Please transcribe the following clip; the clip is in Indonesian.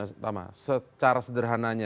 pertama secara sederhananya